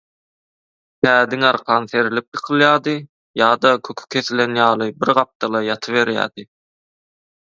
kä diňarkan serilip ýykylýardy ýa-da köki kesilen ýaly bir gapdala ýatyberýärdi.